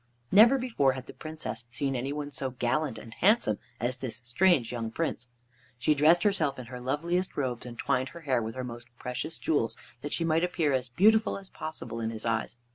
Never before had the Princess seen any one so gallant and handsome as this strange young Prince. She dressed herself in her loveliest robes, and twined her hair with her most precious jewels, that she might appear as beautiful as possible in his eyes.